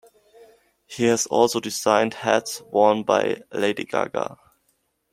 He has also designed hats worn by Lady Gaga.